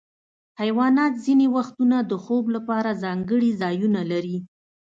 حیوانات ځینې وختونه د خوب لپاره ځانګړي ځایونه لري.